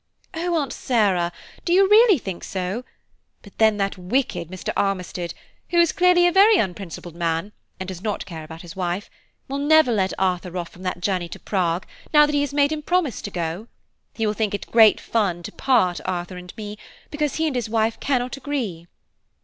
"Oh, Aunt Sarah! do you really think so? but then that wicked Mr. Armistead–who is clearly a very unprincipled man, and does not care about his wife–will never let Arthur off from that journey to Prague, now that he has made him promise to go. He will think it great fun to part Arthur and me, because he and his wife cannot agree."